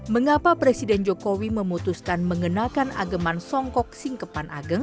mengapa presiden jokowi memutuskan mengenakan ageman songkok singkepan ageng